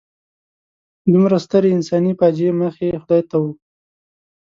دومره سترې انساني فاجعې مخ یې خدای ته و.